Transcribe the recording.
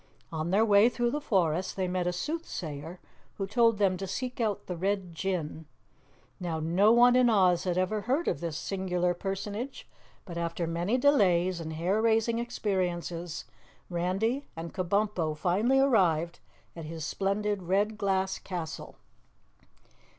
On their way through the forest they met a Soothsayer who told them to seek out the Red Jinn. Now no one in Oz had ever heard of this singular personage, but after many delays and hair raising experiences, Randy and Kabumpo finally arrived at his splendid red glass castle.